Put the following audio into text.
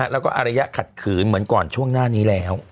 แล้วก็อารยะขัดขืนเหมือนก่อนช่วงหน้านี้แล้ว